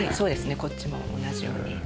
こっちも同じように。